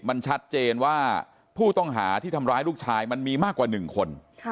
มันชัดเจนว่าผู้ต้องหาที่ทำร้ายลูกชายมันมีมากกว่า๑คน